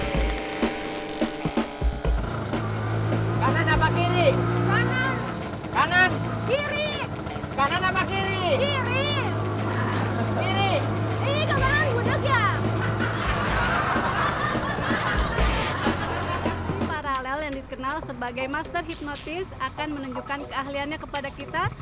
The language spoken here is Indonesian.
tommy parallel yang dikenal sebagai master hipnotis akan menunjukkan keahliannya kepada kita